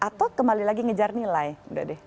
atau kembali lagi ngejar nilai udah deh